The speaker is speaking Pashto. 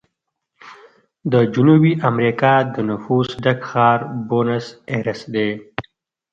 د جنوبي امریکا د نفوسو ډک ښار بونس ایرس دی.